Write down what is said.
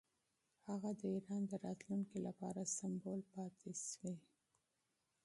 هغه د ایران د راتلونکي لپاره سمبول پاتې شوی.